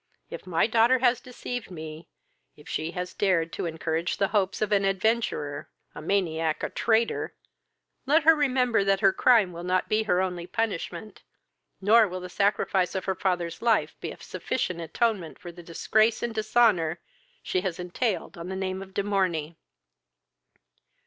If my daughter has deceived me, if she has dared to encourage the hopes of an adventurer, a maniac, a traitor, let her remember that her crime will not be her only punishment, nor will the sacrifice of her father's life be a sufficient atonement for the disgrace and dishonour she has entailed on the name of De Morney."